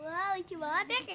wow lucu banget ya kek